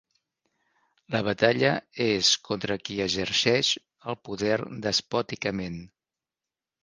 La batalla és contra qui exerceix el poder despòticament.